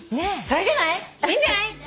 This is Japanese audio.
それじゃない？いいんじゃない？